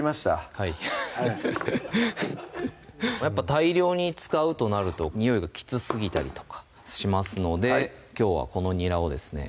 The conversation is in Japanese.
はいフフフやっぱ大量に使うとなるとにおいがきつすぎたりとかしますのできょうはこのにらをですね